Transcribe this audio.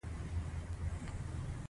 په اسطوره باورۍ کې ډوبېږي.